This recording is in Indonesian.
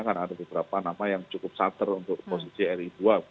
karena ada beberapa nama yang cukup sater untuk posisi ri dua